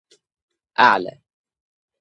أعلى.